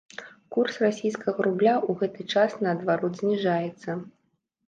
Курс расійскага рубля ў гэты час наадварот зніжаецца.